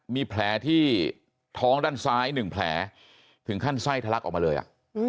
มีแผลที่ท้องด้านซ้าย๑แผลถึงขั้นไส้ทะลักออกมาเลยอ่ะ